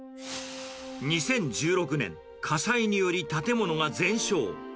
２０１６年、火災により建物が全焼。